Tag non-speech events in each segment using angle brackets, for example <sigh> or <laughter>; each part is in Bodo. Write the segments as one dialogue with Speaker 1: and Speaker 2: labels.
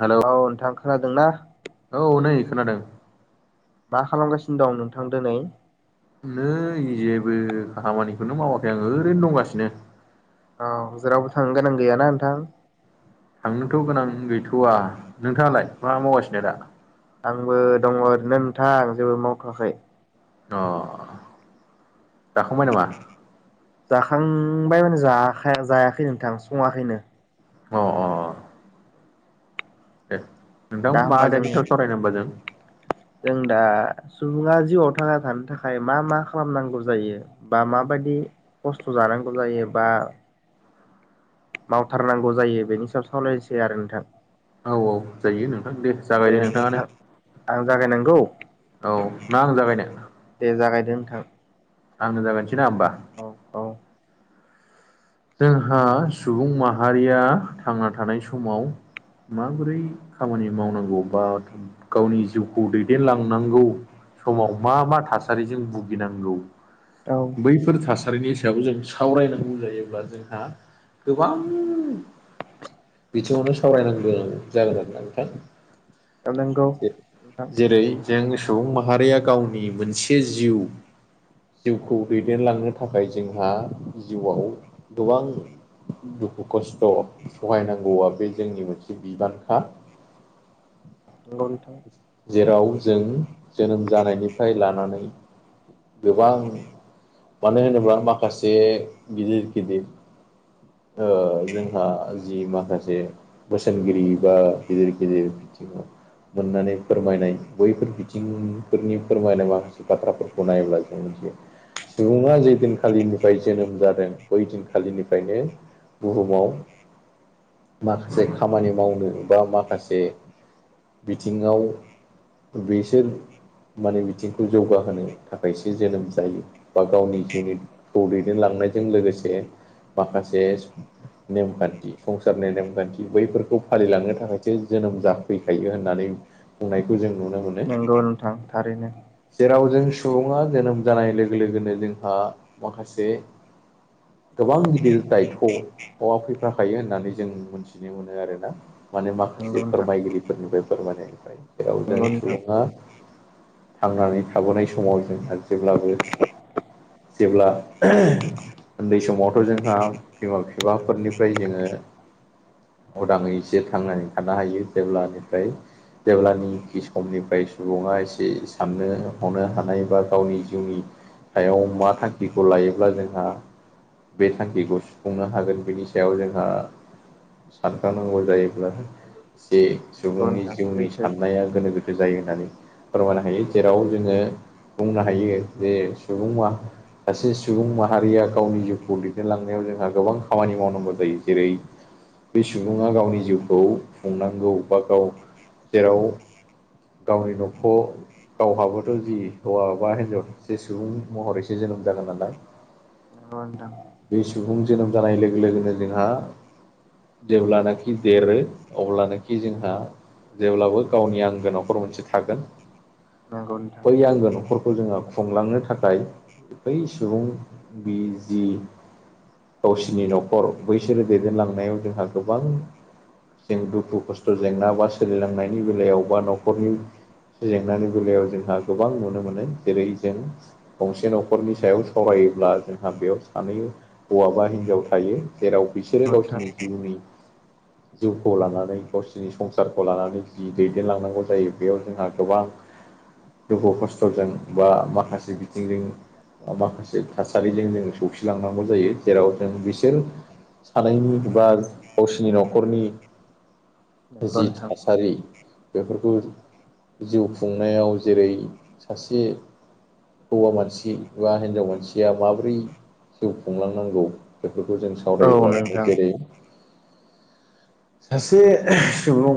Speaker 1: हेलौ
Speaker 2: औ नोंथां खोनादों ना?
Speaker 1: औ नै खोनादों
Speaker 2: मा खालामगासिनो दं नोंथां दिनै?
Speaker 1: नै जेबो खामानिखौनो मावाखै आं ओरैनो दंगासिनो।
Speaker 2: औ जेरावबो थांनो गोनां गैयाना नोंथां?
Speaker 1: थांनोथ' गोनां गैथ'वा नोंथाङालाय मा मावगासिनो दा?
Speaker 2: आंबो दङ ओरैनो नोंथांं जेबो मावथ'वाखै
Speaker 1: अ जाखांबाय नामा?
Speaker 2: जाखांबाय माने ज जायाखै नोंथां सङाखैनो।
Speaker 1: अ अ दे नोंथां
Speaker 2: दा
Speaker 1: मा
Speaker 2: होमबा जों
Speaker 1: आदानि सायाव सावरायनो होनबा जों?
Speaker 2: जों दा सुबुङा जिउआव थांना थानो थाखाय मा मा खालामनांगौ जायो? बा माबायदि खस्थ' जानांगौ जायो बा मावथारनांगौ जायो बेनि सिाब सावलायनोसै आरो नोंथां।
Speaker 1: औ औ जायो नोंथां दे जागाय दे नोंथाङानो
Speaker 2: आं जागायनांगौ।
Speaker 1: औ ना आं जागायनो
Speaker 2: दे जागायदो नोंथां।
Speaker 1: आंनो जागोनसै ना ह होनोमबा?
Speaker 2: औ औ
Speaker 1: जोंहा सुबुं माहारिया थांना थानाय समाव माबोरै खामानि मावनांगौ बा गावनि जिउखौ दैदेनलांनांगौ समाव मा मा थासारिजों भुगिनांगौ
Speaker 2: औ
Speaker 1: बैफोर थासारिनि सायाव जों सावरायनांगौ जायोब्ला जोंहा गोबां बिथिङावनो सावरायनांगोन जागोन आरोना
Speaker 2: नंगौ
Speaker 1: नोंथां
Speaker 2: नोंथां
Speaker 1: जेरै जों सुबुं माहारिया गावनि मोनसे जिउ जिउखौ दैदेनलांनो थाखाय जोंहा जिउआव गोबां दुखु खस्थ' सहायनांगौआ बे जोंनि मोनसे बिबानखा <unintelligible>
Speaker 2: नंगौ नोंथां
Speaker 1: जेराव जों जोनोम जानायनिफ्राय लानानै गोबां मानो होनोब्ला माखासे गिदिर गिदिर ओ जोंहा जि माखासे बोसोनगिरि बा गिदिर गिदिर बिथिङाव मोननानै फोरमायनाय बैफोर बिथिंफोरनि फोरमायनाय माखासे बाथ्राफोरखौ नायोब्ला जों मिथियो सुबुङा जे दिनखालिनिफ्राय जोनोम जादों बै दिनखालिनिफ्रायनो बुहुमाव माखासे खामानि मावनो बा माखासे बिथिङाव बेसोर माने बिथिंखौ जौगाहोनो थाखायसो जोनोम जायो बा गावनि जिउनि खौ दैदेनलांनायजों लोगोसे माखासे नेमखान्थि संसारनि नेमखान्थि बैफोरखौ फालिलांनो थाखायसो जोनोम जाफैखायो होननानै बुंनायखौ जों नुनो मोनो
Speaker 2: नंगौ नोंथां थारैनो
Speaker 1: जेराव जों सुबुङा जोनोम जानाय लोगो लोगोनो जोंहा माखासे गोबां गिदिर दायथ'आ फैफाखायो होननानै जों मोन्थिनो मोनो आरोना माने माखासे
Speaker 2: नंगौ नोंथां
Speaker 1: फोरमायगिरिफोरनिफ्राय फोरमायनायनिफ्राय जेराव जों
Speaker 2: नंगौ नोंथां
Speaker 1: सुबुङा थांनानै थाबोनाय समाव जों आरो जेब्लाबो जेब्ला उन्दै समावथ' जोंहा बिमा बिफाफोरनिफ्राय जोङो उदाङै जे थांनानै थानो हायो जेब्लानिफ्राय जेब्लानोखि समनिफ्राय सुबुङा एसे साननो हनो हानाय बा गावनि जिउनि सायाव मा थांखिखौ लायोब्ला जोंहा बे थांखिखौ सुफुंनो हागोन बेनि सायाव जोंहा सानखानांगौ जायोब्ला जे
Speaker 2: नंगौ
Speaker 1: सुबुंनि
Speaker 2: नोंथां
Speaker 1: जिउनि
Speaker 2: सैथो
Speaker 1: साननाया गोनो गोथो जायो होननानै फोरमायनो हायो जेराव जोङो बुंनो हायो जे सुबुं सासे सुबुं माहारिया गावनि जिउखौ दैदेनलांनायाव जोंहा गोबां खामानि मावनांगौ जायो जेरै बे सुबुङा गावनि जिउखौ खुंनांगौ बा गाव जेराव गावनि न'खौ गावहाबोथ' जि हौवा बा हिनजाव जि सुबुं महरैसो जोनोम जागोन नालाय
Speaker 2: नंगौ नोंथां
Speaker 1: बे सुबुं जोनोम जानाय लोगो लोगोनो जोंहा जेब्लानाखि देरो अब्लानोखि जोंहा जेब्लाबो गावनि आंगो न'खर मोनसे थागोन
Speaker 2: नोंगौ नोंथां
Speaker 1: बै आंगो न'खरखौ जोङो खुंलांनो थाखाय बै सुबुं बि जि गावसिनि न'खर बैसोरो दैदेनलांनायाव जोंहा गोबां जों दुखु खस्थ' जेंना बा सोलिलांनायनि बेलायाव बा न'खरनि जेंनानि बेलायाव जोंहा गोबां नुनो मोनो जेरै जों गंसे न'खरनि सायाव सावरायोब्ला जोंहा बेयाव सानै हौवाबा हिनजाव थायो जेराव बिसोरो
Speaker 2: नंगौ नोंथां
Speaker 1: गावसिनि जिउनि जिउखौ लानानै गावसिनि संसारखौ लानानै जि दैदेनलांनांगौ जायो बेयाव जोंहा गोबां दुखु खस्थ'जों बा माखासे बिथिंजों ओ माखासे थास सारिजों जों सौसिलांनांगौ जायो जेराव जों बिसोर सानैनि बा गावसिनि न'खरनि
Speaker 2: नंगौ
Speaker 1: जि
Speaker 2: नोंथां
Speaker 1: थासारि बेफोरखौ जिउ खुंनायाव जेरै सासे हौवा मानसि बा हिनजाव मानसिया माबोरै जिउ खुंलांनांगौ बेफोरखौ जों
Speaker 2: औ
Speaker 1: सावरायोब्ला मानो
Speaker 2: नोंथां
Speaker 1: जेरै सासे
Speaker 2: नंगौ
Speaker 1: सुबुं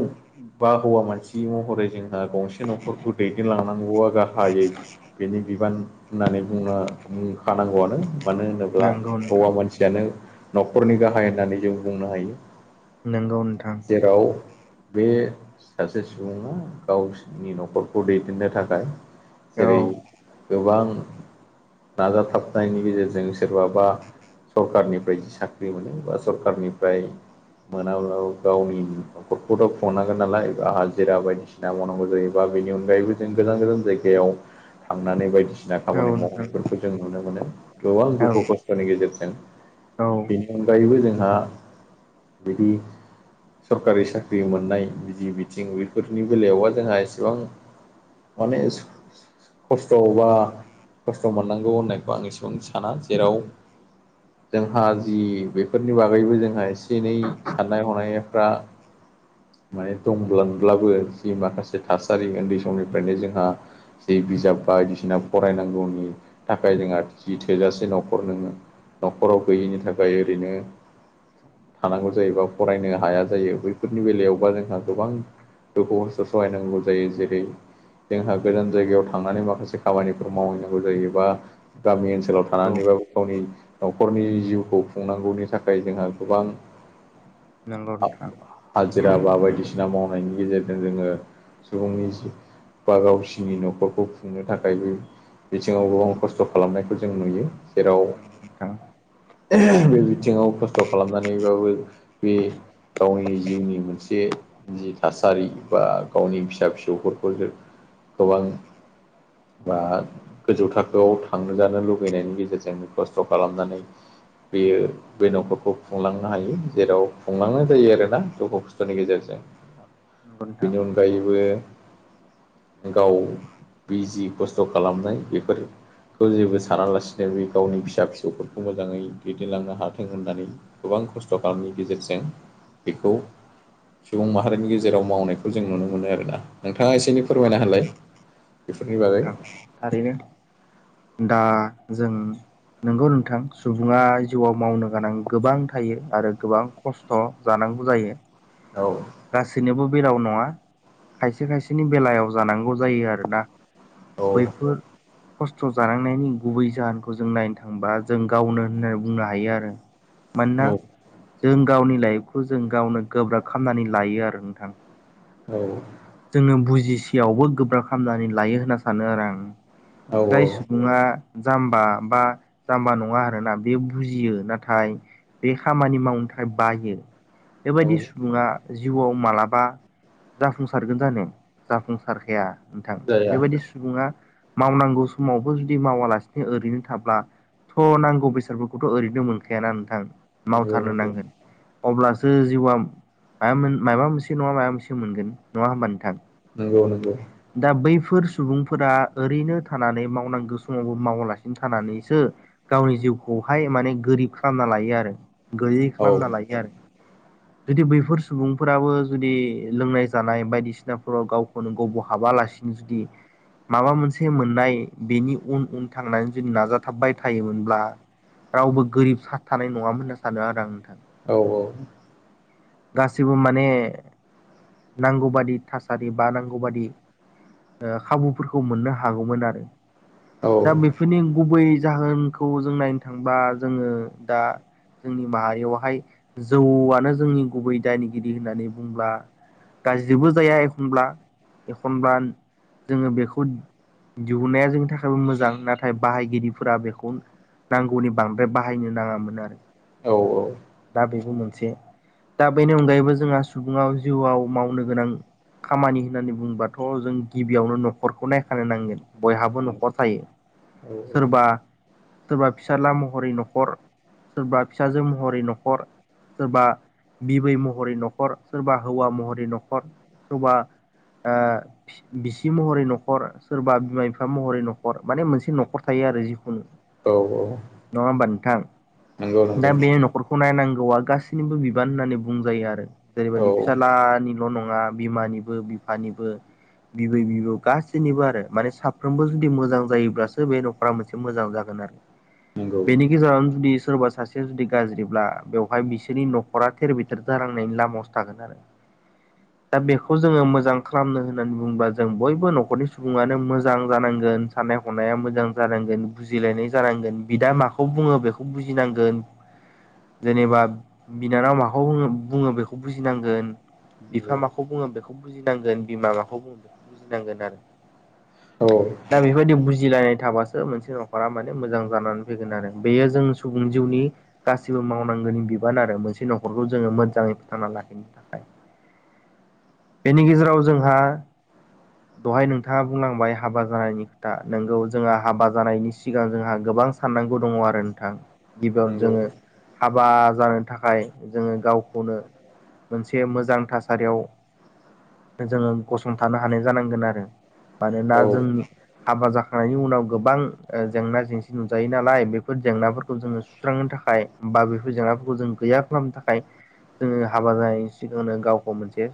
Speaker 1: बा हौवा मानसि महरै जोंहा गंसे न'खरखौ दैदेनलांनांगौआ गाहायै बेनि बिबान होननानै बुंना बुंखानांगौआनो मानो होनोब्ला
Speaker 2: नंगौ नोंथां
Speaker 1: हौवा मानसि जियानो न'खरनि गाहाय होननानै जों बुंनो हायो।
Speaker 2: नोंगौ नोंथां।
Speaker 1: जेराव बे सासे सुबुङा गावसोनि न'खरखौ दैदेननो थाखाय
Speaker 2: औ
Speaker 1: जेरै गोबां नाजाथाबनायनि गेजेरजों सोरबाबा सरखारारनिफ्राय जि साख्रि मोनो बा सरखारनिफ्राय मोनाब्लाबो गावनि नखरखौथ' खुंनांगोन नालाय आ हाजिरा बायदिसिना मावनांगौ जायोबा बेनि अनगायैबो जों गोजान गोजान जायगायाव थांनानै बायदिसिना
Speaker 2: औ
Speaker 1: खामानि
Speaker 2: नोंथां
Speaker 1: मावहैनायफोरखौ जों नुनो मोनो गोबां
Speaker 2: औ
Speaker 1: दुखु खस सानि गेजेरजों
Speaker 2: औ
Speaker 1: बेनि अनगायैबो जोंहा बिदि सरकारि साख्रि मोननाय बिदि बिथिं बेफोरनि बेलायावबा जोंहा एसेबां माने खस्थ' बा खस्थ' मोननांगौ होननाय बा आं एसेबा साना जेराव जोंहा जि बेफोरनि बागैबो जोंहा एसे एनै साननाय हनायफ्रा माने दंब्लानब्लाबो जि माखासे थासारि ओन्दै समनिफ्रायनो जोंहा जि बिजाब बायदिसिना फरायनांगौनि खाय जोंहा जि थोजासे न'खर नोङो न'खराव गैयिनि थाखाय ओरैनो थानांगौ जायोबा फरायनो हाया जायो बैफोरनि बेलायावबा जोंहा गोबां दुखु खसथ' सहायनांगौ जायो। जेरै जोंहा गोजान जायगायाव थांनानै माखासे खामानिफोर मावहैनांगौ जायोबा गामि ओनसोलाव
Speaker 2: नंगौ
Speaker 1: थानानैबाबो गावनि न'खरनि जिउखौ खुंनांगौनि थाखाय जोंहा गोबां
Speaker 2: नंगौ
Speaker 1: आ
Speaker 2: नोंथां
Speaker 1: हाजिरा बा बायदिसिना मावनायनि गेजेरजों जोङो सुबुंनि जिउ बा गावसिनि न'खरखौ खुंनो थाखाय बै बिथिङावबो खस्थ' खालामनायखौ जों नुयो। जेराव
Speaker 2: नंगौ नोंथां
Speaker 1: बे बिथिङाव खस्थ' खालामनानैबाबो बि गावनि जिउनि मोनसे जि थासारि बा गावनि फिसा फिसौफोरखौ जो गोबां बा गोजौ थाख खोआव थांजानो लुुगैनायनि गेजेरजों खस्थ' खालामनानै बेयो बै न'खरखौ खुंलांनो हायो जेराव खुंलांनाय जायो आरोना दुखु खस्थ'नि गेजेरजों।
Speaker 2: नंगौ नोंथां
Speaker 1: बिनि अन गायैबो गाव बिजि खस्थ' खालामनाय बेफोर खौ जेबो सानालासिनो बै गावनि फिसा फिसौफोरखौ मोजाङै दैदेनलांनो हाथों होननानै गोबां खस्थ' खामनि गेजेरजों बेखौ सुबुं माहारिनि गेजेराव मावनायखौ जों नुनो मोनो आरोना। नोंथाङा एसे एनै
Speaker 2: नंगौ
Speaker 1: फोरमायना होलाय बेफोरनि बागै।
Speaker 2: नोंथां थारैनो दा जों। नंगौ नोंथां सुबुङा जिउआव मावनो गोनां गोबां थायो आरो गोबां। खस्थ' जानांगौ जायो।
Speaker 1: औ।
Speaker 2: गासैनोबो बेलाव नङा खायसे खायसेनि बेलायाव जानांगौ जायो आरोना।
Speaker 1: औ
Speaker 2: बैफोर खस्थ' जानांनायनि गुबै जाहोनखौ जों नायनो थांबा जों गावनो होननानै बुंनो हायो आरो मानोना
Speaker 1: औ
Speaker 2: जों गावनि लाइफखौ जों गावनो गोब्राब खामनानै लायो आरो नोंथां।
Speaker 1: औ।
Speaker 2: जोंनो बुजिसेयावबो गोब्राब खामनानै लायो होनना सानो आरो आं
Speaker 1: औ
Speaker 2: जाय सुबुङा जाम्बा बा जाम्बा नङा आरोना बे बुजियो नाथाय। बे खामानि मावनो थाखाय बायो। बेबायदि
Speaker 1: औ
Speaker 2: सुबुङा जिउआव मालाबा जाफुंसार सारगोन जानो जाफुंसारखाया नोंथां
Speaker 1: जाया
Speaker 2: बेबायदि। सुबुङा मावनांगौ समावबो जुदि मावालासिनो ओरैनो थाब्ला। थ' नांगौ बेसादफोरखौथ' ओरैनो मोनखायाना नोंथां
Speaker 1: नंगौ
Speaker 2: मावथारनो
Speaker 1: नंगौ
Speaker 2: नांगोन। अब्लासो जिउआ म मोन माबा मोनसे नङा माबा मोनसे मोनगोन नङा होमबा नोंथां।
Speaker 1: नंगौ नंगौ।
Speaker 2: दा बैफोर सुबुंफोरा ओरैनो थानानै मावनांगौ समावबो मावालासिनो थानानैसो गावनि जिउखौहाय माने गोरिब खालामना लायो आरो गयै
Speaker 1: औ
Speaker 2: खालामना लायो आरो। जुदि बैफोर सुबुंफोराबो जुदि लोंनाय जानाय बायदिसिनाफोराव गाव खुनु गबहाबालासिनो जुदि माबा मोनसे मोननाय बेनि उन उन थांनानै जुदि नाजाथाबबाय थायोमोनब्ला। रावबो गोरिब थानाय नङामोन होनना सानो आरो आं नोंथां।
Speaker 1: औ औ।
Speaker 2: गाससिबो माने नांगौबादि थासारि बा नांगौ। बादि ओ खाबुफोरखौ मोननो हागौमोन आरो
Speaker 1: औ
Speaker 2: दा बे बेफोरनि गुबै जाहोनखौ जों नायनो थांबा जोङो दा जोंनि माहारियावहाय जौआनो जोंनि गुबै दायनिगिरि होननानै बुंब्ला। गाज्रिबो जाया एखनब्ला एखनब्ला जोङो बेखौ दिहुनाया जोंनि थाखायबो मोजां नाथाय बाहायगिरिफोरा बेखौनो नांगौनि बांद्राय बाहायनो नाङामोन आरो।
Speaker 1: औ औ।
Speaker 2: दा बेबो मोनसे दा बेनि अनगायैबो जोंहा सुबुाव जिउआव मावनो गोनां खामानि। होननानै बुंोबाथ' जों गिबियावनो न'खरखौ नायखानो नांगोन बयहाबो न'खर थायो।
Speaker 1: औ
Speaker 2: सोरबा सोरबा फिसाला महरै न'खर। सोरबा फिसाजो महरै न'खर सोरबा बिबै महरै न'खर सोरबा हौवा महरै न'खर सोरबा। <unintelligible> बिसि महरै न'खर सोरबा बिमा बिफा महरै न'खर माने मोनसे न'खर थायो आरो जिखुनु
Speaker 1: औ औ
Speaker 2: नङा बान्थां
Speaker 1: नंगौ
Speaker 2: दा
Speaker 1: नंगौ
Speaker 2: बे न'खरखौ। गनायनांगौआ गाससिनिबो बिबान होननानै बुंजायो आरो जेरैबायदि
Speaker 1: औ
Speaker 2: फिसालानि न' नङा बिमानिबो बिफानिबो बिबै बिबौ गाससिनिबो आरो माने साफ्रोमबो जुदि मोजां जायोब्ला बे न'खा मोनसे मोजां जागोन आरो
Speaker 1: नंगौ
Speaker 2: बेनि। गेजेरावनो जुदि सोरबा सासेया जुदि गाज्रिब्ला बेवहाय बिसोरनि न'खरा थेर बेथेर जालांनायनि लामायावसो थागोन दा बेखौ जोङो मोजां खालामनो होननानै बुङोब्ला जों बयबो न'खरनि सुबुङानो मोजां जानांगोन साननाय हनाया मोजां जानांगोन बुजिलायनाय जानांगोन बिदा माखौ बुङो बेखौ बुजिनांगोन
Speaker 1: <inaudible>
Speaker 2: जेनेबा बिनानाव माखौ बुङो बेखौ बुजिनांगोन
Speaker 1: नंगौ
Speaker 2: बिफा माखौ बुङो बेखौ बुजिनांगोन बिमा माखौ बुङो बेखौ बुजिनांगोन आरो
Speaker 1: औ
Speaker 2: दा बेफोरबायदि बुजिलायनाय थाबासो मोनसे नङा माने मोजां जानानै फैगोन आरो बेयो जों सुबुं जिउनि गासिबो मावनांगौनि बि बिबान आरो मोनसे न'खरखौ जोङो मोजाङै फोथांना लाखिनो थाखाय बेनि गेजेराव जोंहा
Speaker 1: औ
Speaker 2: दहाय नोंथाङा बुंलांबाय हाबा जानायनि खोथा नोंगौ जोंहा हाबा जानायनि सिगां जोंहा गोबां साननांगौ दङ आरो नोंथां गिबियावनो
Speaker 1: नंगौ
Speaker 2: जोङो हाबा जानो थाखाय जोङो गावखौनो मोनसे मोजां थासारियाव जोङो गसंथानो हानाय जानांगोन आरो मानोना
Speaker 1: औ
Speaker 2: जोंनि हाबा जाखांनायनि उनाव गोबां जेंना जेंसि नुजायो नालाय बेफोर जेंनाफोरखौ जोङो सुस्रांनो थाखाय बा बेफोर जेंनाफोरखौ जों गैया खालामनो थाखाय जोङो हाबा जानायनि सिगांनो गावखौ मोनसे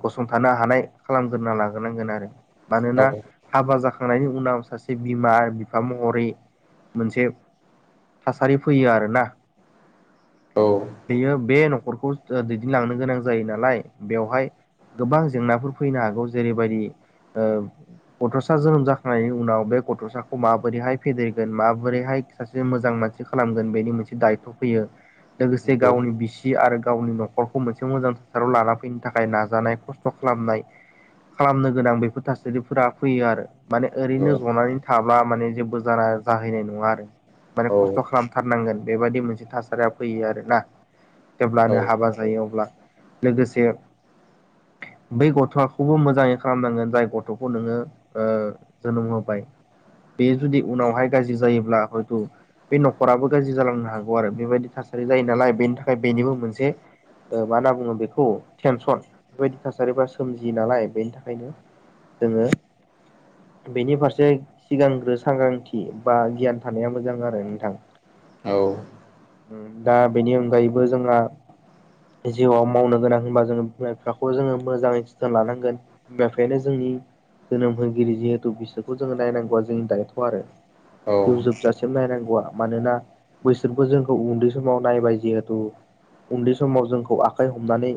Speaker 2: गसंथानो हानाय खालामग्रोना लाग्रोनांगोन आरो मानोना
Speaker 1: औ
Speaker 2: हाबा जाखांनायनि उनाव सासे बिमा आरो बिफा महरै मोनसे थासारि फैयो आरोना
Speaker 1: औ
Speaker 2: बेयो बे न'खरखौ दैदेनलांनो गोनां जायो नालाय बेवहाय गोबां जेंनाफोर फैनो हागौ जेरैबायदि गथ'सा जोनोम जाखांनायनि उनाव बे गथ'साखौ माबोरैहाय फेदेरगोन माबोरैहाय सासे मोजां मानसि खालामगोन बेनि मोनसे दायथ' फैयो लोगोसे
Speaker 1: नंगौ
Speaker 2: गावनि बिसि आरो गावनि न'खरखौ मोनसे मोजां थासाराव लाना फैनो थाखाय थाखाय नाजानाय खस्थ' खालामनाय खालामनो गोनां बेफोर थासारिफोरा फैयो आरो माने
Speaker 1: नंगौ
Speaker 2: ओरैनो जनानै थाब्ला माने जेबो जाना जाहैनाय नङा आरो माने
Speaker 1: औ
Speaker 2: खस्थ' खालामथारनांगोन बेबायदि मोनसे थासारिया फैयो आरोना जेब्लानो हाबा जायो अब्ला लोगोसे बै गथ'खौबो मोजाङै खालामनांगोन जाय गथ'खौ नोङो जोनोम होबाय बे जुदि उनावहाय गाज्रि जायोब्ला हयथ' बे न'खराबो गाज्रि जालांनो हागौ आरो बेबायदि थासारि जायो नालाय बेनि थाखाय बेनिबो मोनसे मा होनना बुङो बेखौ टेनसन बेबायदि थासारिफ्रा सोमजियो नालाय बेनि थाखायनो जोङो बेनि फारसे सिगांग्रो सांग्रांथि बा गियान थानाया मोजां आरो नोंथां
Speaker 1: औ
Speaker 2: दा बेनि अनगायैबो जोंहा जिउआव मावनो गोनां होनबा जोङो बिफाखौ जोङो मोजाङै जोथोन लानांगोन बिमफ्रायनो जोंनि जोनोम होगिरि जिहेथु बिसोरखौ जोङो नायनांगौआ जोंनि दायथ' आरो
Speaker 1: औ
Speaker 2: जिउ जोबजासि सिम नायनांगौ आरो मानोना बैसोरबो जोंखौ उन्दै समाव नायबाय जिहेथु उन्दै समाव जोंखौ आखाइ हमनानै